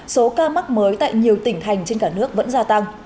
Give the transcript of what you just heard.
số ca mắc mới tại nhiều tỉnh thành trên cả nước vẫn gia tăng